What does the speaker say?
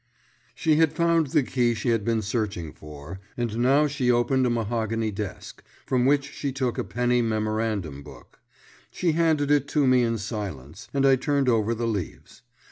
She had found the key she had been searching for, and now she opened a mahogany desk, from which she took a penny memorandum book. She handed it to me in silence, and I turned over the leaves.